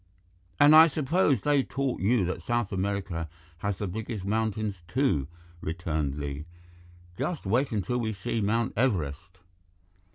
"And I suppose they taught you that South America has the biggest mountains, too," returned Li. "Just wait until we see Mt. Everest.